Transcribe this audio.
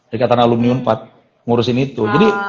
dekatan aluminium empat ngurusin itu